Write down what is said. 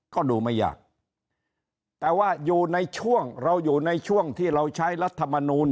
ก็ดูไม่ยากแต่ว่าอยู่ในช่วงเราอยู่ในช่วงที่เราใช้รัฐมนูล